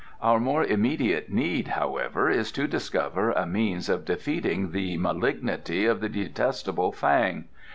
Our more immediate need, however, is to discover a means of defeating the malignity of the detestable Fang.